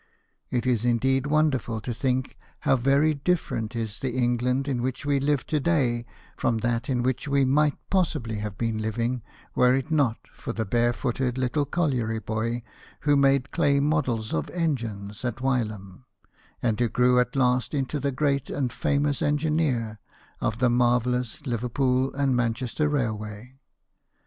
It is indeed wonderful to think how very different is the England in which we live to day, from that in which we might possibly have been living were it not for the barefooted little collier boy who made clay models of engines at Wylam, and who grew at last into the great and famous engineer of the marvellous Liverpool and Man chester railway.